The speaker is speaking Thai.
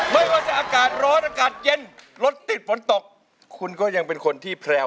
ไม่ว่าจะอากาศร้อนอากาศเย็นรถติดฝนตกคุณก็ยังเป็นคนที่แพรว